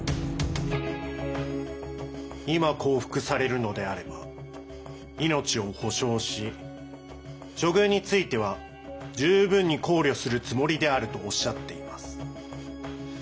今降伏されるのであれば命を保証し処遇については十分に考慮するつもりであるとおっしゃっています。